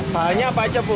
bahannya apa aja bu